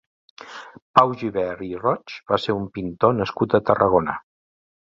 Pau Gibert i Roig va ser un pintor nascut a Tarragona.